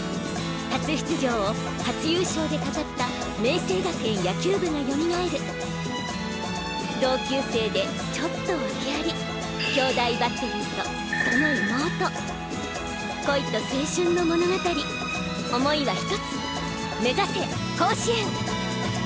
初出場を初優勝で飾った明青学園野球部がよみがえる同級生でちょっとワケあり兄弟バッテリーとその妹恋と青春の物語想いはひとつ目指せ甲子園！